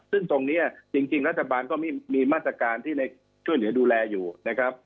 ซึ่งตรงนี้จริงรัฐบาลก็มีมาตรการที่ช่วยเหลือดูแลอยู่นะครับ